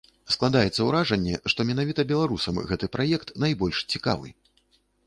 Складаецца ўражанне, што менавіта беларусам гэты праект найбольш цікавы.